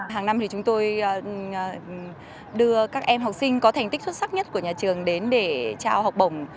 hàng năm thì chúng tôi đưa các em học sinh có thành tích xuất sắc nhất của nhà trường đến để trao học bổng